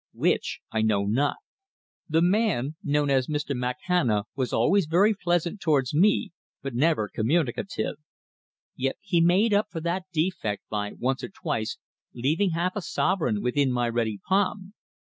Which, I know not. The man, known as Mr. Makhana, was always very pleasant towards me, but never communicative. Yet he made up for that defect by once or twice leaving half a sovereign within my ready palm.